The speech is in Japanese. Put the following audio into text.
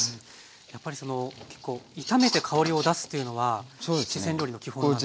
やっぱりその結構炒めて香りを出すっていうのは四川料理の基本なんですか？